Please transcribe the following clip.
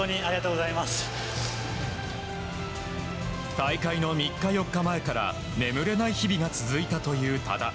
大会の３日４日前から眠れない日々が続いたという多田。